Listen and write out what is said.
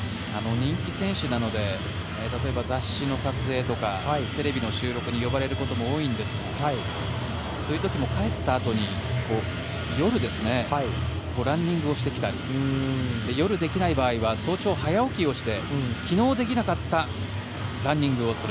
人気選手なので例えば、雑誌の撮影とかテレビの収録に呼ばれることも多いんですがそういう時も帰ったあとに夜、ランニングをしてきたリ夜にできない場合は早朝、早起きをして昨日できなかったランニングをする。